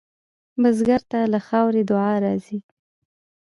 بزګر ته له خاورې دعا راځي